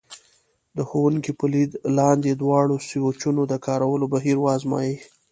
د ښوونکي په لید لاندې د دواړو سویچونو د کارولو بهیر وازمایئ.